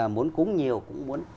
muốn cúng nhiều cũng muốn